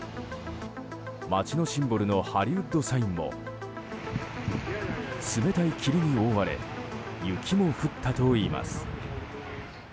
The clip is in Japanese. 街のシンボルのハリウッドサインも冷たい霧に覆われ雪も降ったといいます。